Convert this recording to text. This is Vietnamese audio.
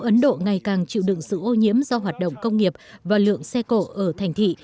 ấn độ ngày càng chịu đựng sự ô nhiễm do hoạt động công nghiệp và lượng xe cộ ở thành thị